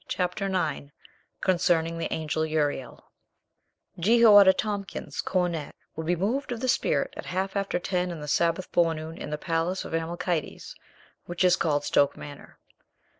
CHAPTER NINE CONCERNING THE ANGEL URIEL " TEHOIADA TOMPKINS, Cornet, will be moved J of the spirit at half after ten in the Sabbath forenoon in the palace of the Amalekites, which is called Stoke Manor."